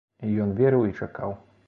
І ён верыў і чакаў.